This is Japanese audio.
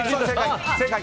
正解！